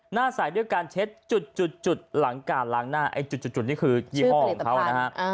หน้าสายด้วยการเช็ดจุดจุดจุดหลังกาลล้างหน้าไอ้จุดจุดจุดนี่คือยี่ห้อของเขานะฮะอ่า